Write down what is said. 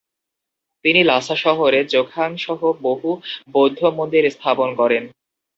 তিনি লাসা শহরে জোখাং সহ বহু বৌদ্ধ মন্দির স্থাপন করেন।